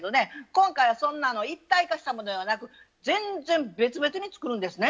今回はそんな一体化したものではなく全然別々に作るんですね。